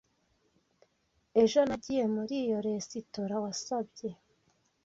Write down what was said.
Ejo, nagiye muri iyo resitora wasabye.